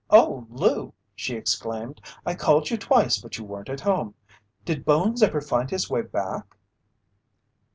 "Oh, Lou!" she exclaimed. "I called you twice but you weren't at home. Did Bones ever find his way back?"